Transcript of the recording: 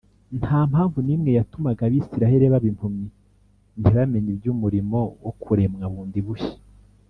Nta mpamvu n’imwe yatumaga Abisiraheli baba impumyi ntibamenye iby’umurimo wo kuremwa bundi bushya